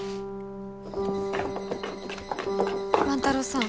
万太郎さん。